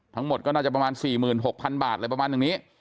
ทั้งหมดก็น่าจะประมาณ๔๖๐๐๐บาทอะไรประมาณอย่างนี้